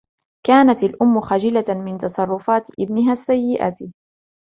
كانت الأم خجِلةً من تصرفات ابنها السيئة.